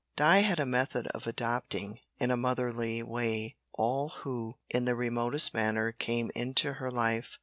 Di had a method of adopting, in a motherly way, all who, in the remotest manner, came into her life.